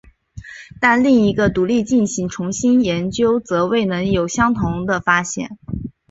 但另一个独立进行的重新研究则未能有相同的发现。